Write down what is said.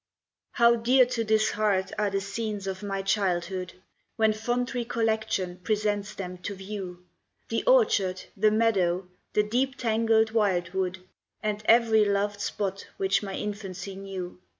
How dear to this heart are the scenes of my childhood, When fond recollection presents them to view! The orchard, the meadow, the deep tangled wild wood, And every loved spot which my infancy knew!